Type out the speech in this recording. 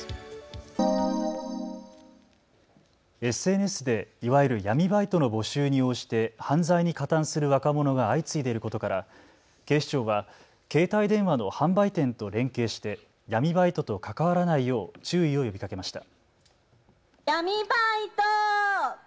ＳＮＳでいわゆる闇バイトの募集に応じて犯罪に加担する若者が相次いでいることから警視庁は携帯電話の販売店と連携して闇バイトと関わらないよう注意を呼びかけました。